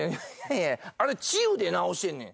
あれ治癒で治してんねん。